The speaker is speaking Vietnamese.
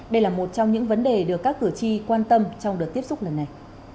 đây là một trong những vấn đề được các cử tri quan tâm trong đợt tiếp xúc lần này